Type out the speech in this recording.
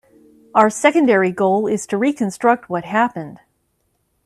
Our secondary goal is to reconstruct what happened.